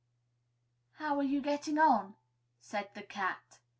"How are you getting on?" said the Cat.